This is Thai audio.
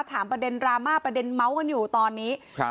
ถามประเด็นดราม่าประเด็นเมาส์กันอยู่ตอนนี้ครับ